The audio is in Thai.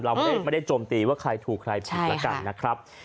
เราไม่ได้โจมตีว่าใครถูกใครผิดแล้วกันนะครับ